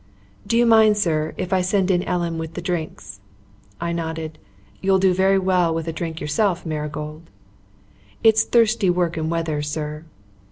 "Do you mind, sir, if I send in Ellen with the drinks?" I nodded. "You'll do very well with a drink yourself, Marigold." "It's thirsty work and weather, sir."